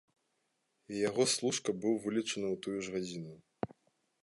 І яго служка быў вылечаны ў тую ж гадзіну.